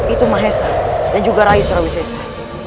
itu mahesa dan juga rai surawisesa